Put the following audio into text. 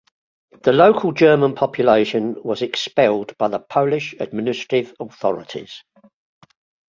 The local German population was expelled by the Polish administrative authorities.